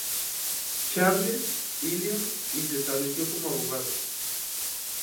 Charles, Illinois, y se estableció como abogado.